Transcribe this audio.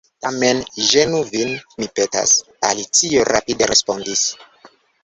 "Tamen ne ĝenu vin, mi petas," Alicio rapide respondis.